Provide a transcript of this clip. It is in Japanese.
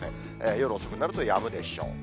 夜遅くなるとやむでしょう。